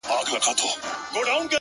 ه تا خو تل تر تله په خپگان کي غواړم;